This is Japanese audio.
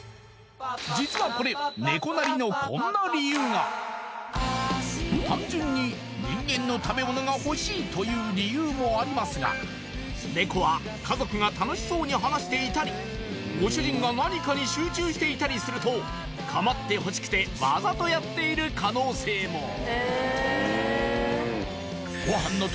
実はこれネコなりのこんな理由が単純に人間の食べ物が欲しいという理由もありますがネコは家族が楽しそうに話していたりご主人が何かに集中していたりすると構ってほしくてわざとやっている可能性も！